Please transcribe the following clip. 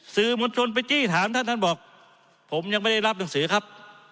สื่อมวลชนไปจี้ถามท่านท่านบอกผมยังไม่ได้รับหนังสือครับ